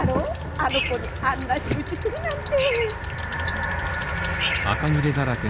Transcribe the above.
あの子にあんな仕打ちするなんて。